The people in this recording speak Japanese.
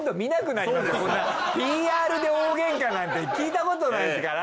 ＰＲで大喧嘩なんて聞いたことないですから。